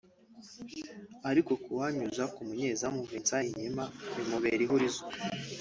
ariko kuwunyuza ku munyezamu Vinvent Enyeama bimubera ihurizo